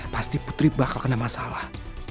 pasti putri bakal kena masalah